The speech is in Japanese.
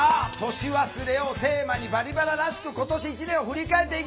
年忘れをテーマに「バリバラ」らしく今年１年を振り返っていきます。